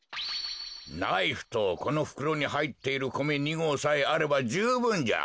ナイフとこのふくろにはいっているこめ２ごうさえあればじゅうぶんじゃ。